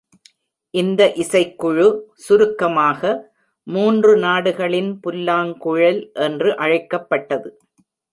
இந்த இசைக்குழு சுருக்கமாக மூன்று நாடுகளின் புல்லாங்குழல் என்று அழைக்கப்பட்டது.